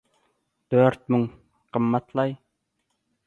– Dört müň?! Gymmat-laý.